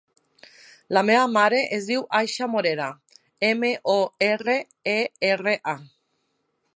La meva mare es diu Aicha Morera: ema, o, erra, e, erra, a.